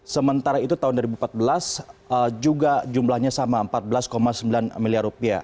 sementara itu tahun dua ribu empat belas juga jumlahnya sama rp empat belas sembilan miliar